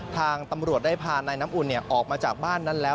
ทางตำรวจได้พานายน้ำอุ่นออกมาจากบ้านนั้นแล้ว